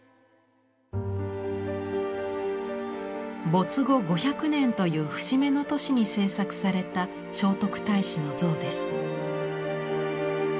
没後５００年という節目の年に制作された聖徳太子の像です。